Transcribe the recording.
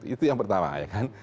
itu yang pertama ya kan